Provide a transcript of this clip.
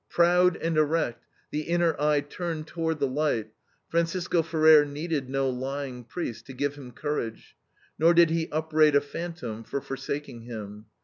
Proud and erect, the inner eye turned toward the light, Francisco Ferrer needed no lying priests to give him courage, nor did he upbraid a phantom for forsaking him.